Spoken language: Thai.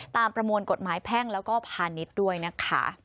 ประมวลกฎหมายแพ่งแล้วก็พาณิชย์ด้วยนะคะ